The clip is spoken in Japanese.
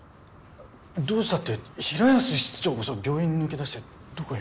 どうしたって平安室長こそ病院抜け出してどこへ？